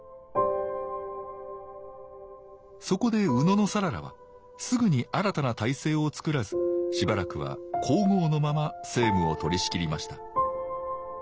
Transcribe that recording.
そこで野讃良はすぐに新たな体制をつくらずしばらくは皇后のまま政務を取りしきりました。